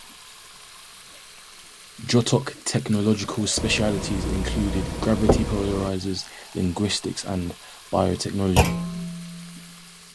Jotok technological specialties included gravity polarizers, linguistics and biotechnology.